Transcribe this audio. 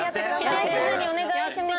否定せずにお願いします。